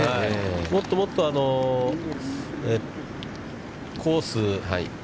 もっともっとコース